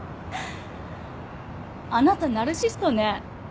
あなたナルシストね。